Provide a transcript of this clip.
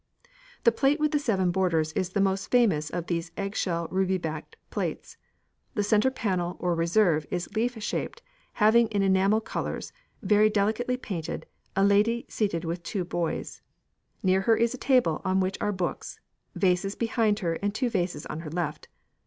The plate with the seven borders is the most famous of these eggshell ruby back plates. The centre panel or reserve is leaf shaped, having in enamel colours, very delicately painted, a lady seated with two boys; near her is a table on which are books; vases behind her and two vases on her left.